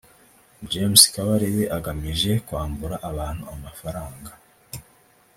James Kabarebe agamije kwambura abantu amafaranga